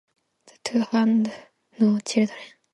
The two had no children.